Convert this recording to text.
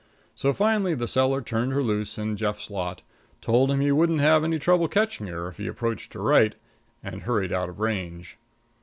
So finally the seller turned her loose in Jeff's lot, told him he wouldn't have any trouble catching her if he approached her right, and hurried off out of range.